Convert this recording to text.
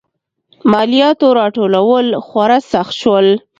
مالیاتو راټولول خورا سخت شول.